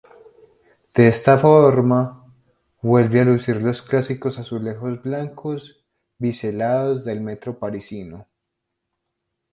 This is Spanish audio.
De esta forma vuelve a lucir los clásicos azulejos blancos biselados del metro parisino.